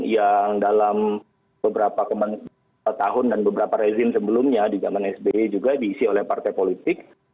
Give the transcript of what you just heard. yang dalam beberapa tahun dan beberapa rezim sebelumnya di zaman sby juga diisi oleh partai politik